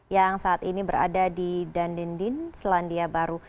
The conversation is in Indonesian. yang saat ini berada di dandendin selandia baru